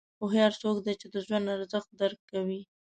هوښیار څوک دی چې د ژوند ارزښت درک کوي.